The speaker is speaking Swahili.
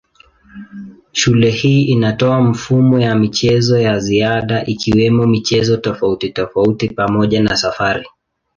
Shule hii inatoa mfumo wa michezo ya ziada ikiwemo michezo tofautitofauti pamoja na safari.